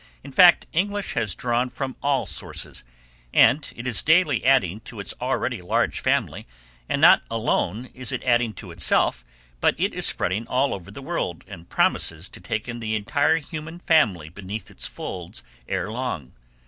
In fact, English has drawn from all sources, and it is daily adding to its already large family, and not alone is it adding to itself, but it is spreading all over the world and promises to take in the entire human family beneath its folds ere long.